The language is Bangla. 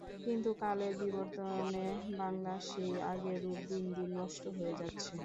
কিন্তু কালের বিবর্তনে বাংলার সেই আগের রূপ দিন দিন নষ্ট হয়ে যাচ্ছে।